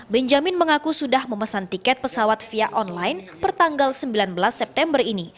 benjamin mengaku sudah memesan tiket pesawat via online pertanggal sembilan belas september ini